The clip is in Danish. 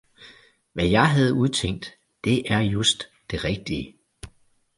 Hvad jeg havde udtænkt, det er just det rigtige!